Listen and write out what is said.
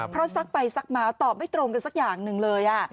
เพราะซักไปซักมาตอบไม่ตรงกันสักอย่างหนึ่งเลย